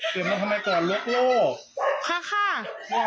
คือใครมาจากไหนคะ